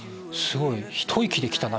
ひと息できたな！